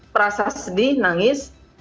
perasa sedih nangis